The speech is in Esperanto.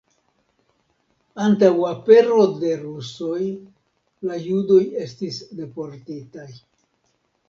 Antaŭ apero de rusoj la judoj estis deportitaj.